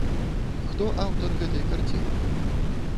Хто аўтар гэтай карціны?